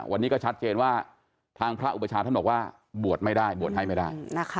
วันนี้ก็ชัดเจนว่าทางพระอุปชาท่านบอกว่าบวชไม่ได้บวชให้ไม่ได้